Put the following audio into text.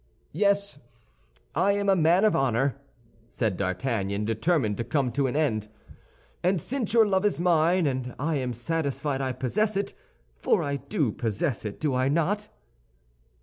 "Yes; I am a man of honor," said D'Artagnan, determined to come to an end, "and since your love is mine, and I am satisfied I possess it—for I do possess it, do I not?"